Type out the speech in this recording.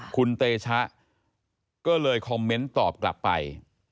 คุณเตชะก็เลยคอมเมนต์ตอบกลับไป